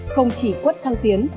không chỉ quất thăng tiến